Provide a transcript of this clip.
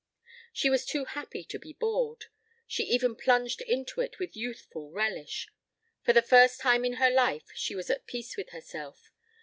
She was too happy to be bored. She even plunged into it with youthful relish. For the first time in her life she was at peace with herself.